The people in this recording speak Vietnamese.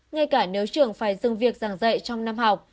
ngay cả nếu trường phải dừng việc giảng dạy trong năm học